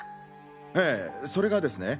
ええそれがですね。